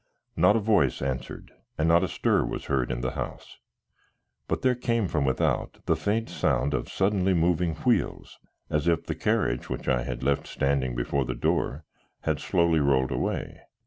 Not a voice answered, and not a stir was heard in the house. But there came from without the faint sound of suddenly moving wheels, as if the carriage which I had left standing before the door had slowly rolled away.